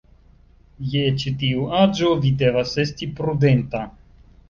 Je ĉi tiu aĝo, vi devas esti prudenta.